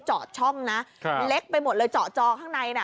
เจาะช่องนะเล็กไปหมดเลยเจาะจอข้างในน่ะ